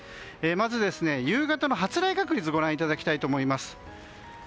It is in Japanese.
まず、夕方の発雷確率をご覧いただきたいと思います。